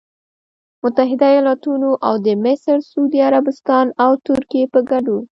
متحدوایالتونو او د مصر، سعودي عربستان او ترکیې په ګډون